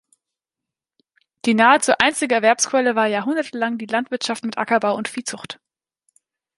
Die nahezu einzige Erwerbsquelle war jahrhundertelang die Landwirtschaft mit Ackerbau und Viehzucht.